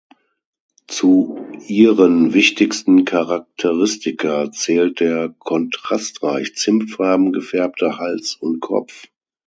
Zu ihren wichtigsten Charakteristika zählt der kontrastreich zimtfarben gefärbte Hals und Kopf.